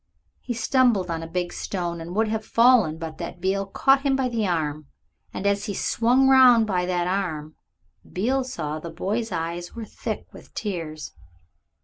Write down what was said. He stumbled on a big stone and would have fallen but that Beale caught him by the arm, and as he swung round by that arm Beale saw that the boy's eyes were thick with tears.